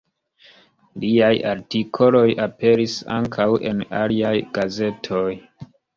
Liaj artikoloj aperis ankaŭ en aliaj gazetoj.